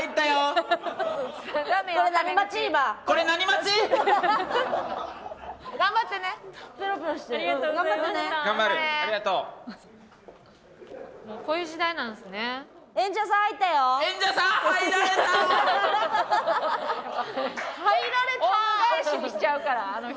オウム返しにしちゃうからあの人。